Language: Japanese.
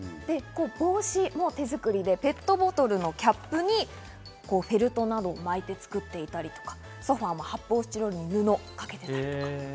帽子も手づくりでペットボトルのキャップにフェルトなどを巻いて作っていたりとか、ソファも発泡スチロールに布をかけていたり。